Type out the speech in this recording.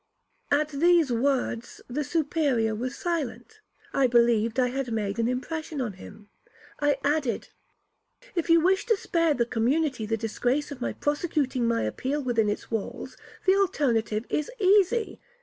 At these words the Superior was silent. I believed I had made an impression on him. I added, 'If you wish to spare the community the disgrace of my prosecuting my appeal within its walls, the alternative is easy.